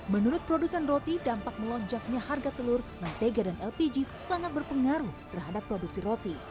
menurut produsen roti dampak melonjaknya harga telur mentega dan lpg sangat berpengaruh terhadap produksi roti